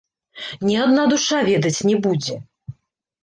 Ні адна душа ведаць не будзе!